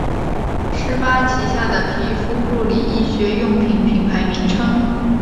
施巴旗下的皮肤护理医学用品品牌名称。